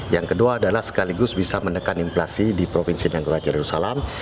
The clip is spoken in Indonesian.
yang kedua adalah sekaligus bisa menekan inflasi di provinsi negara jerusalem